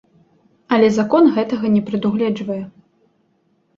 Але закон гэтага не прадугледжвае.